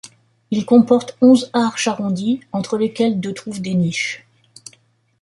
Il comporte onze arches arrondies, entre lesquelles de trouvent des niches.